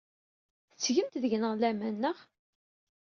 Tettgemt deg-neɣ laman, naɣ?